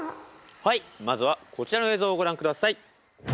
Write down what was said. はいまずはこちらの映像をご覧ください。